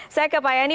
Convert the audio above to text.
saya ke pak yanni